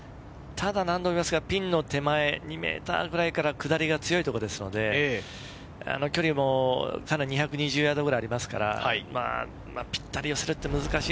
ただ、ピンの手前、２ｍぐらいから下りが強いところですので距離も２２０ヤードくらいありますから、ぴったり寄せるのは難しい。